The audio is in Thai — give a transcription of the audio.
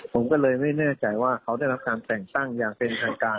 ผมก็เลยไม่แน่ใจว่าเขาได้รับการแต่งตั้งอย่างเป็นทางการ